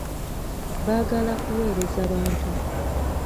Baagala kuwereza bantu.